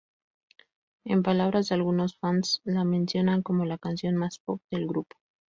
En palabras de algunos fans, la mencionan como la canción "más pop" del grupo.